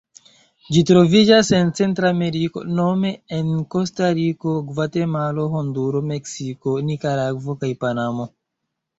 Ĝi troviĝas en Centrameriko nome en Kostariko, Gvatemalo, Honduro, Meksiko, Nikaragvo kaj Panamo.